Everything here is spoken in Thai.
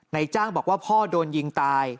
จ้างบอกว่าพ่อโดนยิงตาย